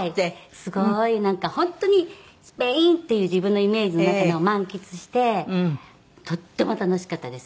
すごいなんか本当にスペインっていう自分のイメージの中の満喫してとっても楽しかったです。